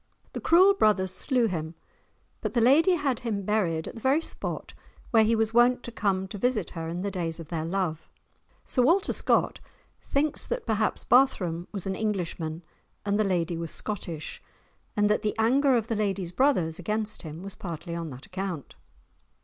The cruel brothers slew him, but the lady had him buried at the very spot where he was wont to come to visit her in the days of their love. Sir Walter Scott thinks that perhaps Barthram was an Englishman and the lady was Scottish, and that the anger of the lady's brothers against him was partly on that account.